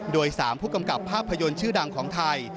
โดย๓ผู้กำกับภาพยนตร์ชื่อดังของไทย